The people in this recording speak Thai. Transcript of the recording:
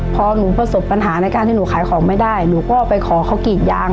พอหนูประสบปัญหาในการที่หนูขายของไม่ได้หนูก็ไปขอเขากรีดยาง